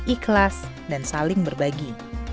ikhlas dan saling berbagi